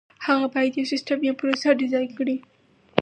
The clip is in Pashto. هغه باید یو سیسټم یا پروسه ډیزاین کړي.